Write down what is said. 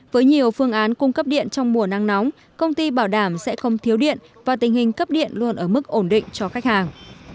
với nhiều phương án cung cấp điện trong mùa nắng nóng công ty bảo đảm sẽ không thiếu điện và tình hình cấp điện luôn ở mức ổn định cho khách hàng